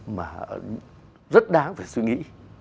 mà rất đáng phải suy nghĩ